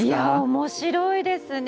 面白いですね。